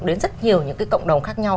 đến rất nhiều những cái cộng đồng khác nhau